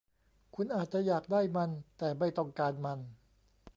คุณอาจจะอยากได้มัน แต่ไม่ต้องการมัน